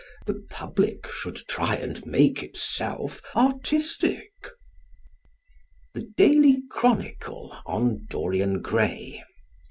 The public should try and make itself artistic._ "THE DAILY CHRONICLE" ON "DORIAN GRAY."